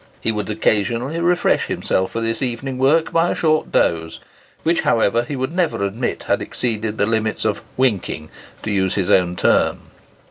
He would occasionally refresh himself for this evening work by a short doze, which, however, he would never admit had exceeded the limits of "winking," to use his own term.